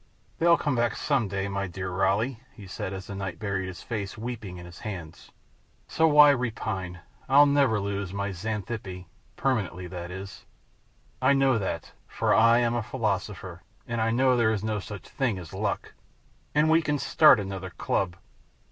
"They'll come back some day, my dear Raleigh," he said, as the knight buried his face, weeping, in his hands. "So why repine? I'll never lose my Xanthippe permanently, that is. I know that, for I am a philosopher, and I know there is no such thing as luck. And we can start another club."